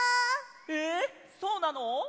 えっそうなの！？